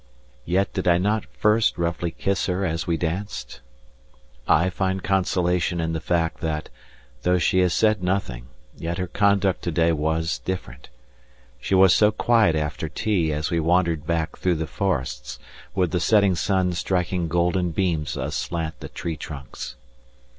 Yet did I not first roughly kiss her as we danced? I find consolation in the fact that, though she has said nothing, yet her conduct to day was different. She was so quiet after tea as we wandered back through the forests with the setting sun striking golden beams aslant the tree trunks.